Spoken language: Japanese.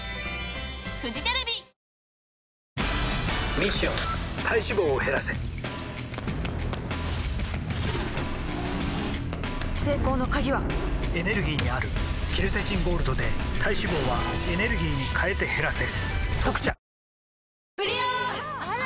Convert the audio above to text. ミッション体脂肪を減らせ成功の鍵はエネルギーにあるケルセチンゴールドで体脂肪はエネルギーに変えて減らせ「特茶」あら！